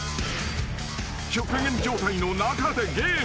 ［極限状態の中でゲーム］